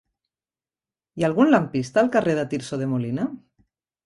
Hi ha algun lampista al carrer de Tirso de Molina?